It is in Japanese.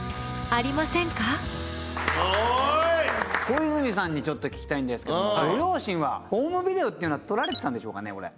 小泉さんにちょっと聞きたいんですけどご両親はホームビデオっていうのは撮られてたんでしょうかねこれ。